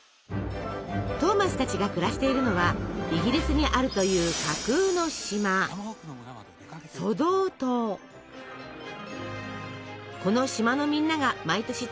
トーマスたちが暮らしているのはイギリスにあるという架空の島この島のみんなが毎年楽しみにしていること。